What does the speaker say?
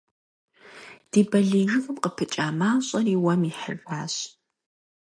Ди балий жыгым къыпыкӏа мащӏэри уэм ихьыжащ.